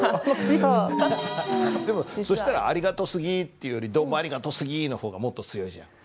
でもそしたら「ありがとすぎ」っていうより「どうもありがとすぎ」の方がもっと強いじゃん。